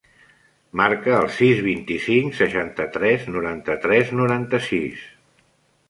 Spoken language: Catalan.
Marca el sis, vint-i-cinc, seixanta-tres, noranta-tres, noranta-sis.